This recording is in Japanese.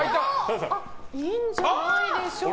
いいんじゃないでしょうか。